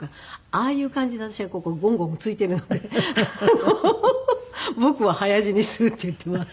ああいう感じで私がゴンゴン突いているので僕は早死にするって言っています。